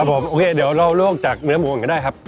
ผมโอเคเดี๋ยวเราลวกจากเนื้อหมูก่อนก็ได้ครับ